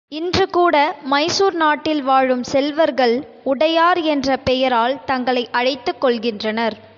இன்று கூட மைசூர் நாட்டில் வாழும் செல்வர்கள் உடையார் என்ற பெயரால் தங்களை அழைத்துக் கொள்கின்றனர்.